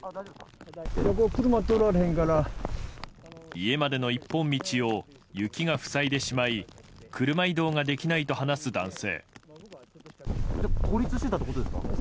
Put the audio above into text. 家までの一本道を雪が塞いでしまい車移動ができないと話す男性。